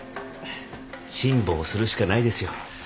辛抱するしかないですよ。